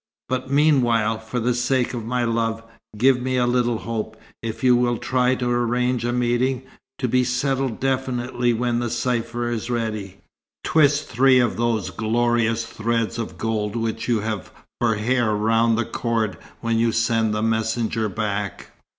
But meanwhile, for the sake of my love, give me a little hope. If you will try to arrange a meeting, to be settled definitely when the cypher is ready, twist three of those glorious threads of gold which you have for hair round the cord when you send the messenger back."